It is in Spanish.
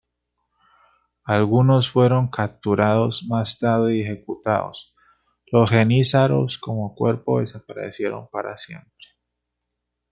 Algunos fueron capturados más tarde y ejecutados, los jenízaros como cuerpo desaparecieron para siempre.